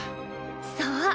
そう！